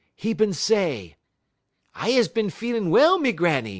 'E bin say: "'I is bin feelin' well, me Granny.